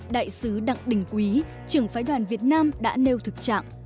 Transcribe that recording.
đại sứ đặng đình quý trưởng phái đoàn việt nam đã nêu thực trạng